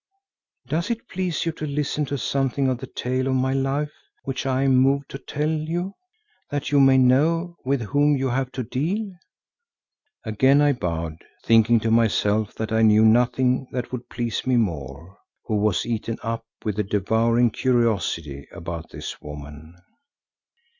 Does it please you to listen to something of the tale of my life which I am moved to tell you, that you may know with whom you have to deal?" Again I bowed, thinking to myself that I knew nothing that would please me more, who was eaten up with a devouring curiosity about this woman.